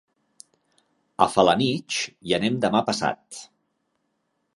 A Felanitx hi anem demà passat.